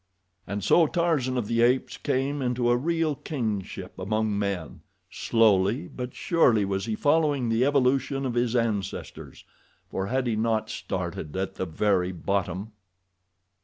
And so Tarzan of the Apes came into a real kingship among men—slowly but surely was he following the evolution of his ancestors, for had he not started at the very bottom?